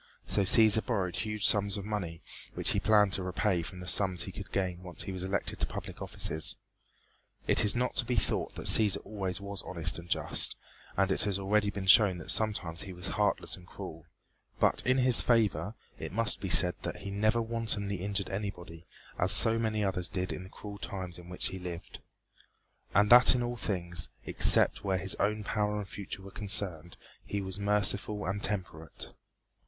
So Cæsar borrowed huge sums of money which he planned to repay from the sums he could gain when once he was elected to public offices. It is not to be thought that Cæsar always was honest and just, and it has already been shown that sometimes he was heartless and cruel but in his favor it must be said that he never wantonly injured anybody, as so many others did in the cruel times in which he lived and that in all things, except where his own power and future were concerned, he was merciful and temperate.